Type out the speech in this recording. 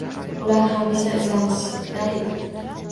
Ular hamisha izlanishda edi